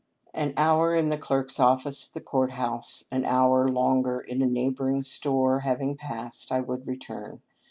An hour in the clerk's office at the court house, an hour longer in a neigh boring store having passed, I would return.